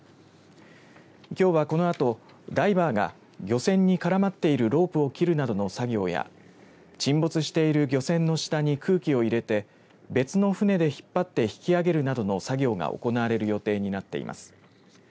きょうは、このあとダイバーが漁船に絡まっているロープを切るなどの作業や沈没している漁船の下に空気を入れて別の船で引っ張って引き上げるなどの作業が行われる予定になっています。